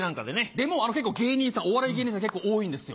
でもお笑い芸人さん結構多いんですよ。